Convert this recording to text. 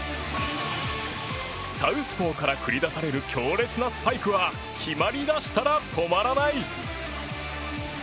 サウスポーから繰り出される強烈なスパイクは決まりだしたら止まらない。